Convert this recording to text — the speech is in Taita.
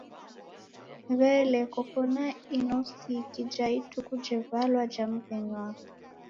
W'ele, koko na inosiki ja ituku jevalwa ja mghenyu wako?